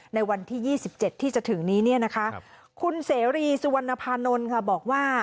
ในวันที่๒๗ที่จะถึงนี้คุณเสรีสุวรรณพานนท์บอกว่า